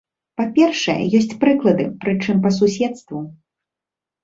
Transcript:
Па-першае ёсць прыклады, прычым па суседству.